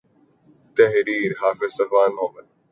تحریر :حافظ صفوان محمد